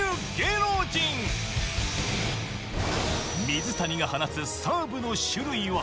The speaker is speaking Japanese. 水谷が放つサーブの種類は